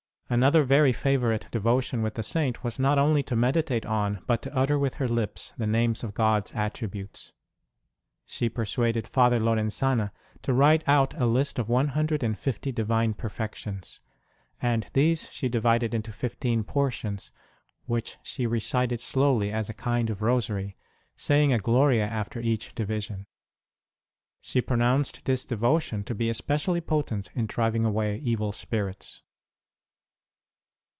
Another very favourite devotion with the Saint was not only to meditate on, but to utter with her lips, the names of God s attributes. She persuaded Father Lorenzana to write out a list of one hundred and fifty Divine perfections ; and these she divided into fifteen portions, which she recited slowly as a kind of Rosary, saying a Gloria after each division. She pronounced this devotion to be especially potent in driving away evil spirits.